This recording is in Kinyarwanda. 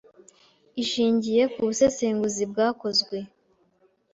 ishingiye ku busesenguzi bwakozwe